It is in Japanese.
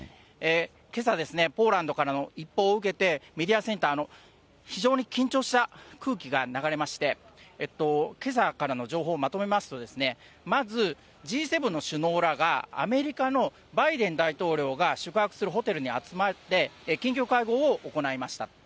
けさ、ポーランドからの一報を受けて、メディアセンターも非常に緊張した空気が流れまして、けさからの情報をまとめますと、まず、Ｇ７の首脳らがアメリカのバイデン大統領が宿泊するホテルに集まって、緊急会合を行いました。